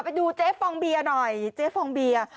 ไปดูเจ๊ฟองเบียร์หน่อยเจ๊ฟองเบียร์